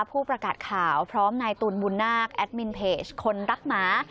ผู้ประกาศข่าวพร้อมนายตูนบุญนาคแอดมินเพจคนรักหมา